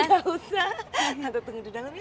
nggak usah tante tunggu di dalam ya